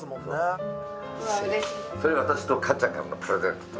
これ、私とかっちゃんからのプレゼントで。